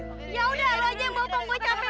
ya udah lo aja yang bawa penggoy capek gue istilahnya